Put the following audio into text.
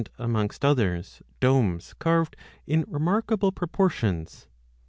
amongst others, domes carved in remarkable pro 15 portions.